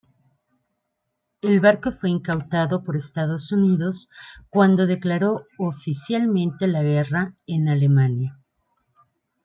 El barco fue incautado por Estados Unidos cuando declaró oficialmente la guerra a Alemania.